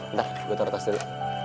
ntar gua taro tas dulu